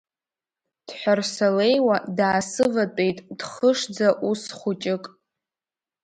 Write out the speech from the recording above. Дҳәарсалеиуа, даасыватәеит дхышӡа ус хәыҷык.